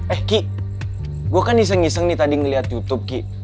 eh ki gue kan iseng iseng nih tadi ngeliat youtube ki